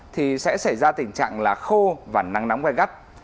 thì sẽ xảy ra tình trạng là khô và nắng nóng gai gắt